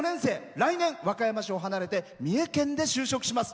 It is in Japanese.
来年、和歌山市を離れて三重県へ就職します。